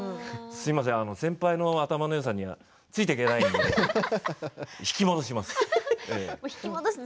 先輩の頭のよさにはついていけないので引き戻します、と。